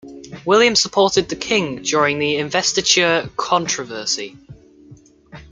William supported the king during the Investiture Controversy.